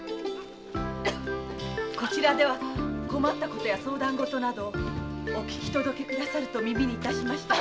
こちらでは困った事や相談事などお聞き下さると聞きましたが。